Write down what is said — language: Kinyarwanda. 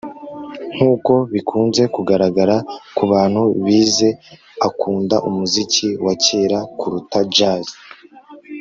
Nkuko bikunze kugaragara kubantu bize akunda umuziki wa kera kuruta jazz